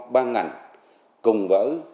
ban ngành cùng với